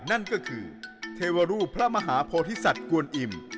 นั่นก็คือเทวรูปพระมหาโพธิสัตว์กวนอิ่ม